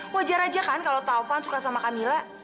wajar aja kan kalau taufan suka sama camilla